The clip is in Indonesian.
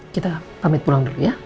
kita pamit pulang dulu ya